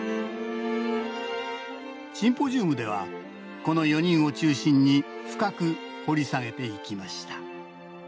シンポジウムではこの４人を中心に深く掘り下げていきました